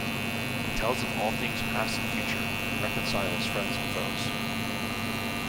He tells of all things past and future, and reconciles friends and foes.